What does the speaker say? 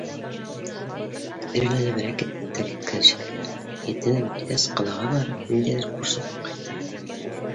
Эреләнеберәк тә киткән шикелле ул: етене бөткәс, ҡалаға барып, ниндәйҙер курс уҡып ҡайтты бит.